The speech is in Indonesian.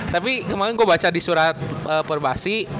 tapi kemarin gue baca di surat perbasi